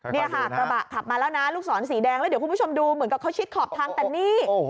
นี่ค่ะกระบะขับมาแล้วนะลูกศรสีแดงแล้วเดี๋ยวคุณผู้ชมดูเหมือนกับเขาชิดขอบทางแต่นี่